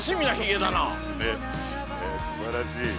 すばらしい。